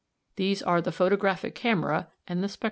These are the Photographic camera and the Spectroscope."